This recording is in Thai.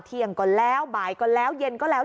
เที่ยงก่อนแล้วบ่ายก็แล้วเย็นก็แล้ว